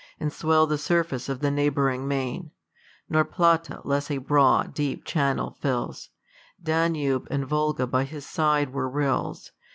And swell the surface of the neighbouring main* Nor Plata less a broad, deep channel fills ; Danube and Wolga by his side were rills.